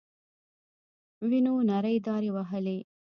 وينو نرۍ دارې وهلې.